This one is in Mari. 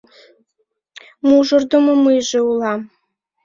Мужырдымо мыйже улам.